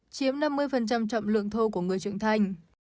chiếm năm mươi trọng lượng thô của người trưởng thành